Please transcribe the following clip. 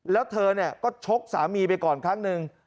แล้วเธอก็ชกสามีไปก่อนครั้งหนึ่ง